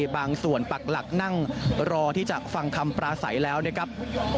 บางส่วนปักหลักนั่งรอที่จะฟังคำปราศัยแล้วนะครับ